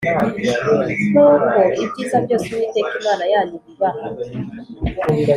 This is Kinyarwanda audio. Nk uko ibyiza byose Uwiteka Imana yanyu ibibaha